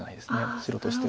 白としては。